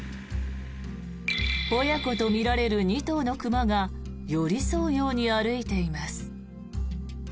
親子とみられる２頭の熊が寄り添うように歩いています。